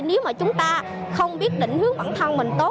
nếu mà chúng ta không biết định hướng bản thân mình tốt